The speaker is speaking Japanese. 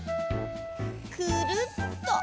くるっと。